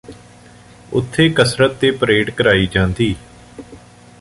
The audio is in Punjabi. ਉਥੇ ਕਸਰਤ ਤੇ ਪਰੇਡ ਕਰਾਈ ਜਾਂਦੀ